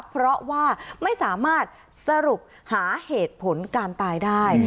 เพราะว่าไม่สามารถสรุปหาเหตุผลการตายได้